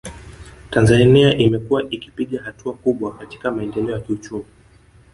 Tanzania imekuwa ikipiga hatua kubwa katika maendeleo ya kiuchumi